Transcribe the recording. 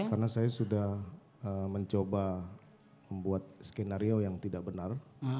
karena saya sudah mencoba membuat skenario yang tidak benar